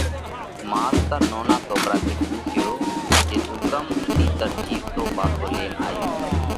ماستر نونا سوڪرا ٿِي پونسيو: جي تُون ڪم تِيتر جِيوَتو پاسو لينَ آيو؟